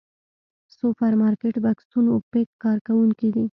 سوپرمارکېټ بکسونو پيک کوونکي دي.